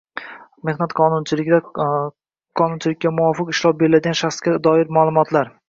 mehnat to‘g‘risidagi qonunchilikka muvofiq ishlov beriladigan shaxsga doir ma’lumotlar